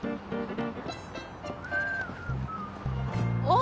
あ！